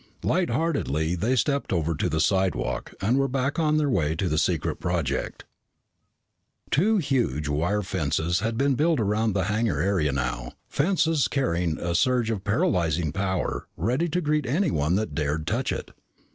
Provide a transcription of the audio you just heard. Lightheartedly they stepped over to the slidewalk and were back on their way to the secret project. Two huge wire fences had been built around the hangar area now, fences carrying a surge of paralyzing power ready to greet anyone that dared touch it.